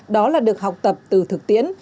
đó là được học tập từ thực tiến